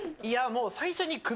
いやもう最初に。